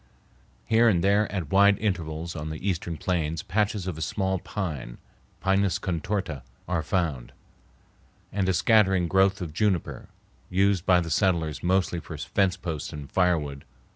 Here and there at wide intervals on the eastern plains patches of a small pine (Pinus contorta) are found, and a scattering growth of juniper, used by the settlers mostly for fence posts and firewood.